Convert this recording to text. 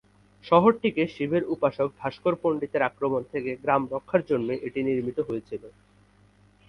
শহরটিকে শিবের উপাসক ভাস্কর পন্ডিতের আক্রমণ থেকে গ্রাম রক্ষার জন্যই এটি নির্মিত হয়েছিল।